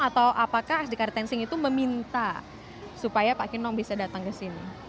atau apakah sdn karet tengsin itu meminta supaya pak kinong bisa datang ke sini